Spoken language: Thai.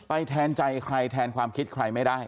แทนใจใครแทนความคิดใครไม่ได้